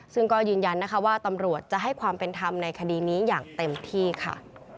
ซึ่งก็ยืนยันนะคะว่าตำรวจจะให้ความเป็นธรรมในคดีนี้อย่างเต็มที่ค่ะ